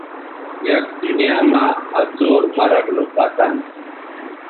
یک دنیاں مہ آ څور مرگ نو پتن